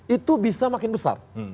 itu bisa makin besar